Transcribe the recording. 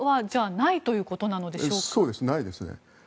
ないですね。